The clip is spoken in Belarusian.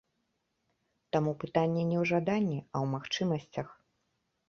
Таму пытанне не ў жаданні, а ў магчымасцях.